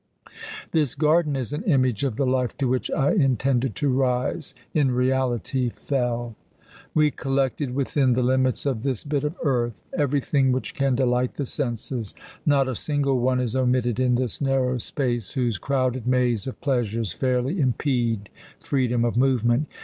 This garden is an image of the life to which I intended to rise; in reality, fell. We collected within the limits of this bit of earth everything which can delight the senses; not a single one is omitted in this narrow space, whose crowded maze of pleasures fairly impede freedom of movement.